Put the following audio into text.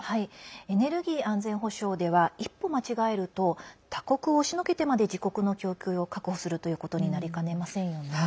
エネルギー安全保障では一歩間違えると他国を押しのけてまで自国の供給を確保するということになりかねませんよね。